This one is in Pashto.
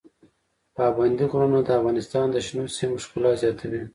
پابندي غرونه د افغانستان د شنو سیمو ښکلا زیاتوي.